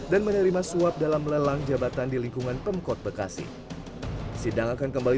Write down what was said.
dan menerima suap dalam lelang jabatan di lingkungan pemkot bekasi sidang akan kembali